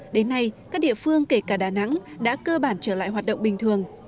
đến nay các địa phương kể cả đà nẵng đã cơ bản trở lại hoạt động bình thường